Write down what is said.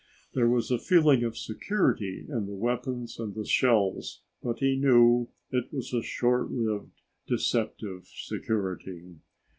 There was a feeling of security in the weapon and the shells, but he knew it was a short lived, deceptive security.